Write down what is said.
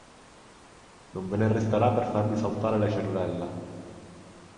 Non ve ne resterà per farvi saltare le cervella.